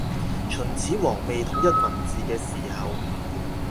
秦始皇未統一文字嘅時候